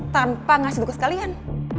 tanpa ngasih dukungan sekalian